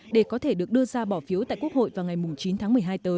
để có thể được đưa ra bỏ phiếu tại quốc hội vào ngày chín tháng một mươi hai tới